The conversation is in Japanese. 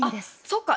そうか。